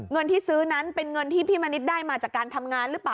เงินที่ซื้อนั้นเป็นเงินที่พี่มณิษฐ์ได้มาจากการทำงานหรือเปล่า